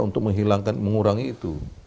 untuk mengurangi itu